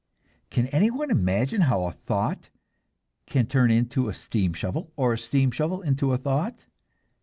Can anyone imagine how a thought can turn into a steam shovel, or a steam shovel into a thought?